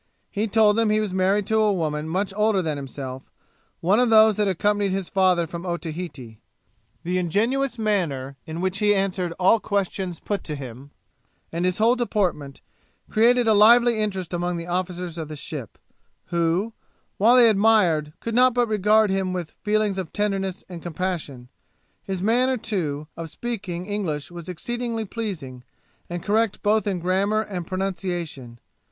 He told them he was married to a woman much older than himself, one of those that accompanied his father from Otaheite. The ingenuous manner in which he answered all questions put to him, and his whole deportment, created a lively interest among the officers of the ship, who, while they admired, could not but regard him with feelings of tenderness and compassion; his manner, too, of speaking English was exceedingly pleasing, and correct both in grammar and pronunciation.